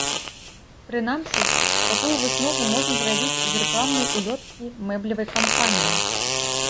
Прынамсі, такую выснову можна зрабіць з рэкламнай улёткі мэблевай кампаніі.